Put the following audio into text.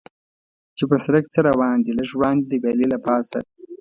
چې پر سړک څه روان دي، لږ وړاندې د ویالې له پاسه.